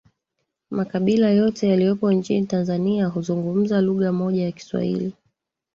makabila yote yaliyopo nchini Tanzania huzungumza lugha moja ya kiswahili